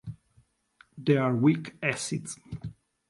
They are weak acids.